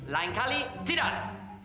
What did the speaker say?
lain kali tidak